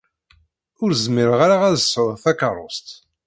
Ur zmireɣ ara ad sɛuɣ takeṛṛust.